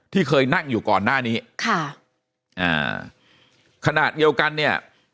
ที่เคยนั่งอยู่ก่อนหน้านี้ค่ะอ่าขณะเดียวกันเนี่ย